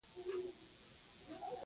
احمد په خپل غریبانه ژوند کې هم شاهي کوي.